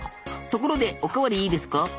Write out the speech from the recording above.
ところでお代わりいいですか？